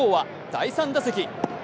第３打席。